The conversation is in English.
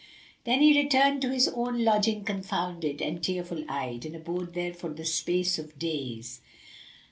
Then he returned to his own lodging confounded and tearful eyed, and abode there for the space of ten days.